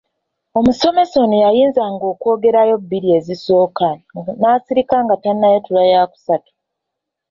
Omusomesa ono yayinzanga okwogerayo bbiri ezisooka n’asirika nga tannayatula yaakusatu.